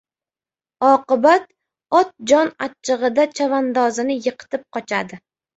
Oqibat, ot jon achchig‘ida chavandozini yiqitib qochadi.